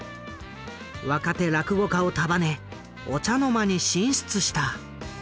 若手落語家を束ねお茶の間に進出した。